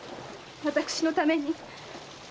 私のために。